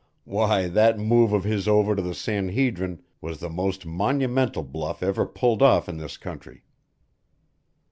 "Why, that move of his over to the San Hedrin was the most monumental bluff ever pulled off in this country."